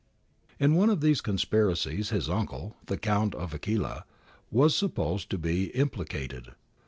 In one of these conspiracies his uncle, the Count of Aquila, was supposed to be im plicated.